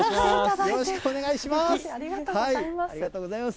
よろしくお願いします。